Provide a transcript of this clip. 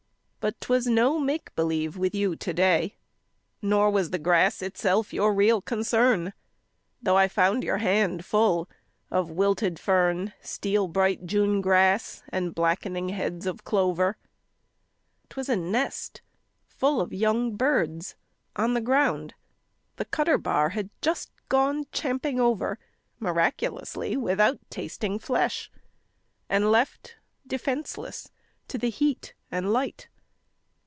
But 'twas no make believe with you to day, Nor was the grass itself your real concern, Though I found your hand full of wilted fern, Steel bright June grass, and blackening heads of clover. 'Twas a nest full of young birds on the ground The cutter bar had just gone champing over (Miraculously without tasting flesh) And left defenseless to the heat and light.